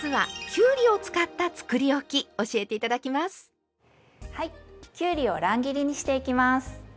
きゅうりを乱切りにしていきます。